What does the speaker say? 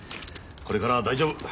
これからは大丈夫。